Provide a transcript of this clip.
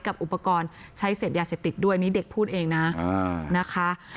กับอุปกรณ์ใช้เสพยาเสพติดด้วยนี่เด็กพูดเองนะนะคะ